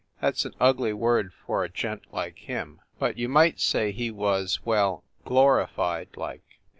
That s an ugly word for a gent like him. But you might say he was well glorified, like.